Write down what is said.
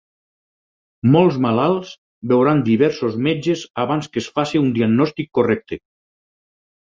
Molts malalts veuran diversos metges abans que es faci un diagnòstic correcte.